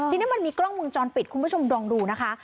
ทีนี้มันมีกล้องมุมจรปิดคุณผู้ชมลองดูนะคะ